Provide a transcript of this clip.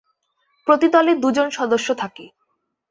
প্রতি দলে দুজন সদস্য থাকে।